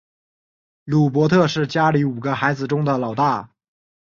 鲁伯特是家里五个孩子中的老大。